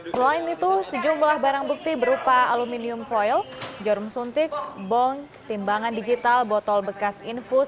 selain itu sejumlah barang bukti berupa aluminium foil jarum suntik bong timbangan digital botol bekas infus